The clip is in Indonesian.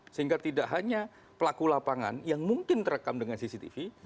sehingga tidak hanya pelaku lapangan yang mungkin terekam dengan cctv